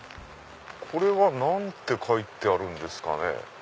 これは何て書いてあるんですかね？